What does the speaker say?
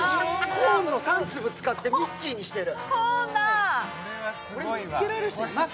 コーンの３粒使ってミッキーにしている！